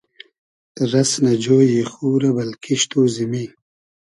رئس نۂ جۉیی خو رۂ بئل کیشت و زیمی